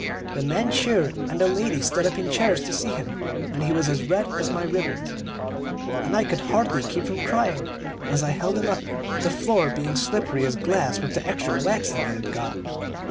The men cheered, and the ladies stood up in chairs to see him, and he was as red as my ribbons, and I could hardly keep from crying, as I held him up, the floor being slippery as glass with the extra waxing it had got.